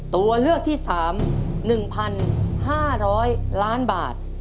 ตัวเลือกที่๓๑๕๐๐ล้านบาท